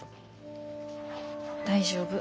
大丈夫。